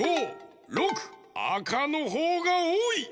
あかのほうがおおい。